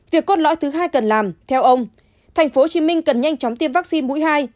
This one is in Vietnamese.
việc cốt lõi thứ hai cần làm theo ông tp hcm cần nhanh chóng tiêm vaccine mũi hai